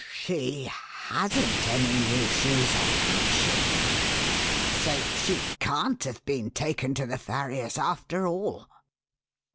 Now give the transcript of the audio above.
"She hasn't any new shoes on, has she? So she can't have been taken to the farrier's after all."